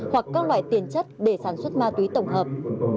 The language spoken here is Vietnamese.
hoặc các loại tiền chất để sản xuất ma túy tổng hợp